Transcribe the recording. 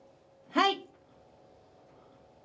はい！